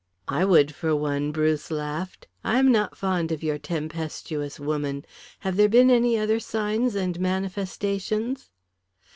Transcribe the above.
"I would for one," Bruce laughed. "I am not fond of your tempestuous woman. Have there been any other signs and manifestations?"